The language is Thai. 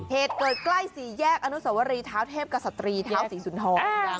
เหตุเกิดใกล้สี่แยกอนุสวรีเท้าเทพกษัตรีท้าวศรีสุนทร